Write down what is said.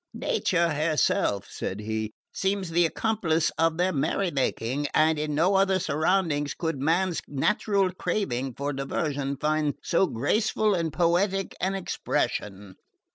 "Nature herself," said he, "seems the accomplice of their merry making, and in no other surroundings could man's natural craving for diversion find so graceful and poetic an expression."